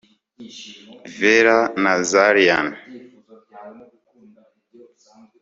vera nazarian